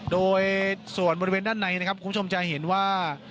โดยส่วนบริเวณด้านในนะครับคุณผู้ชมจะเห็นว่า